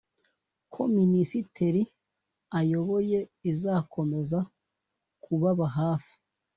ko Minisiteri ayoboye izakomeza kubaba hafi